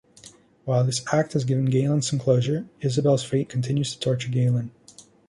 While this act has given Galen some closure, Isabelle's fate continues to torture Galen.